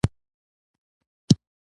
ګل مې په لاس درته ولاړ یم